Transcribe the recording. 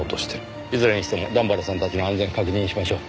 いずれにしても段原さんたちの安全を確認しましょう。